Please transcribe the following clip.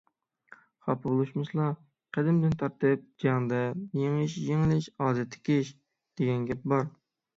خاپا بولۇشمىسىلا. قەدىمدىن تارتىپ «جەڭدە يېڭىش - يېڭىلىش ئادەتتىكى ئىش» دېگەن گەپ بار.